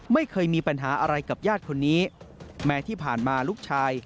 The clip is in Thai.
ไม่เคยมีปัญหาอะไรกับญาติคนนี้แม้ที่ผ่านมาลูกชาย